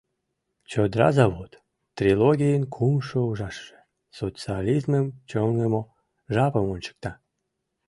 «Чодыра завод» — трилогийын кумшо ужашыже, социализмым чоҥымо жапым ончыкта.